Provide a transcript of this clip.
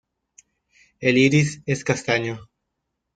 El iris es castaño.